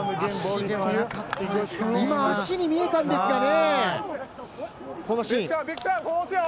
今、足に見えたんですがね。